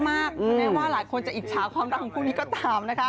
ถ้าแม่ว่าหลายคนจะอิจฉาของคู่นี้ก็ตามนะคะ